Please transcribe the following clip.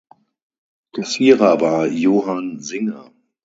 Kassierer war Johann Singer.